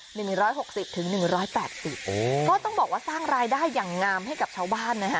หนึ่งร้อยหกสิบถึงหนึ่งร้อยแปดสิบโอ้ก็ต้องบอกว่าสร้างรายได้อย่างงามให้กับชาวบ้านนะฮะ